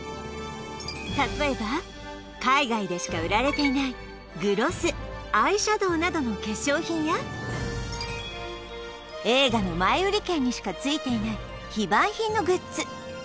例えば海外でしか売られていないグロスアイシャドウなどの化粧品や映画の前売り券にしか付いていない非売品のグッズ